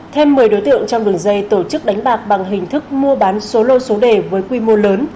thêm một mươi đối tượng trong đường dây tổ chức đánh bạc bằng hình thức mua bán số lô số đề với quy mô lớn